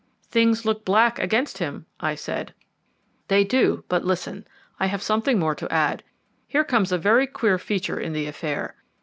"Things look black against him," I said. "They do; but listen, I have something more to add. Here comes a very queer feature in the affair.